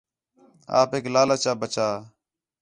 آپیک لالچ آ ٻَچا